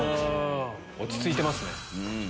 落ち着いてますね。